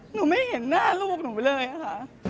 หนูไม่เห็นหน้าลูกหนูเลยค่ะ